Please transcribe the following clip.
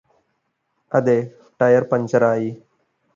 അതെ ടയര് പഞ്ചറായി